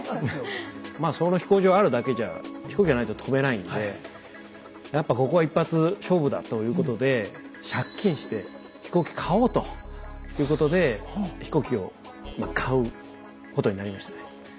まあその飛行場あるだけじゃ飛行機がないと飛べないんでやっぱここは一発勝負だということで借金して飛行機買おうということで飛行機をまあ買うことになりましたね。